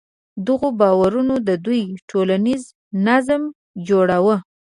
دغو باورونو د دوی ټولنیز نظم جوړاوه.